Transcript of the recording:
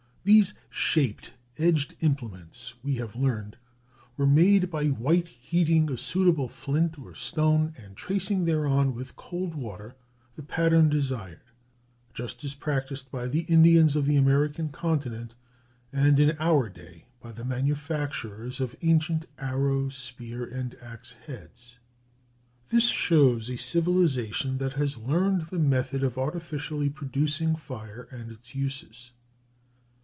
These shaped, edged implements, we have learned, were made by white heating a suitable flint or stone and tracing thereon with cold water the pattern desired, just as practised by the Indians of the American continent, and in our day by the manufacturers of ancient arrow , spear , and axe heads. This shows a civilization that has learned the method of artificially producing fire, and its uses.